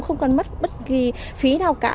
không cần mất bất kỳ phí nào cả